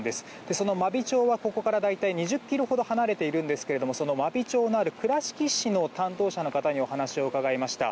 その真備町はここから大体２０ｋｍほど離れているんですけどもその真備町のある倉敷市の担当者の方にお話を伺いました。